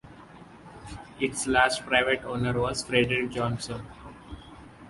Its last private owner was Frederick Johnson.